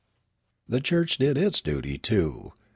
The church did its dut}^ too.